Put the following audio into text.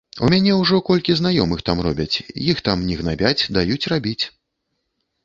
У мяне ўжо колькі знаёмых там робяць, іх там не гнабяць, даюць рабіць.